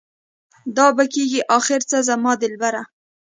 دا به کيږي اخر څه زما دلبره؟